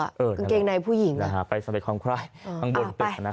อังเกงในผู้หญิงนะครับไปสำเร็จความควายข้างบนเป็นนะครับ